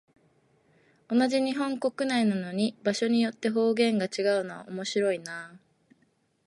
同じ日本国内なのに、場所によって方言が全然違うのは面白いなあ。